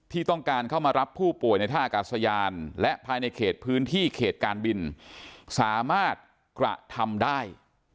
ที่ต้องการเข้ามารับผู้ป่วยในท่าอากาศยานและภายในเขตพื้นที่เขตการบินสามารถกระทำได้